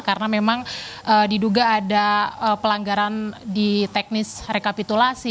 karena memang diduga ada pelanggaran di teknis rekapitulasi